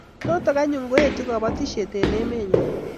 Noto anyun koetu kobotisiet eng emenyo